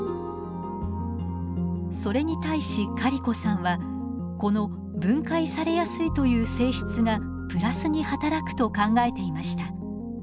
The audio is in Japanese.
それに対しカリコさんはこの分解されやすいという性質がプラスに働くと考えていました。